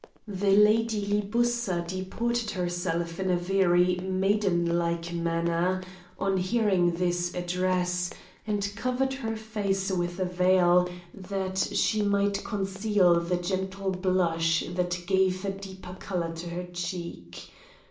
The Lady Libussa deported herself in a very maiden like manner on hearing this address, and covered her face with a veil that she might conceal the gentle blush that gave a deeper colour to her cheek.